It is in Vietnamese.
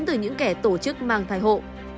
từ những kẻ tổ chức mang thai hộ